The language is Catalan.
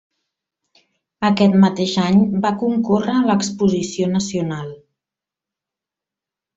Aquest mateix any va concórrer a l'Exposició Nacional.